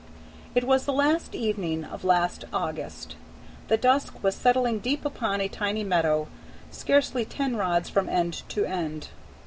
It was the last evening of last August. The dusk was settling deep upon a tiny meadow, scarcely ten rods from end to end.